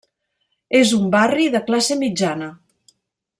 És un barri de classe mitjana.